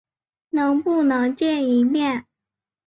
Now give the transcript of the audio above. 能不能再见一面？